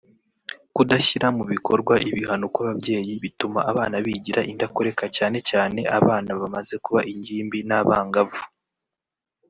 Kudashyira mu bikorwa ibihano kw’ababyeyi bituma abana bigira indakoreka cyane cyane abana bamaze kuba ingimbi n’abangavu